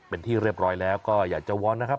เป็นที่เรียบร้อยแล้วก็อยากจะวอนนะครับ